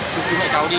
chú cứu mẹ cháu đi